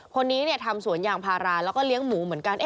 คนนี้ทำสวนยางพาราแล้วก็เลี้ยงหมูเหมือนกัน